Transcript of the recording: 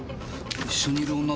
一緒にいる女